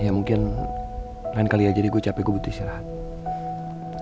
ya mungkin lain kali ya jadi gue capek gue butuh istirahat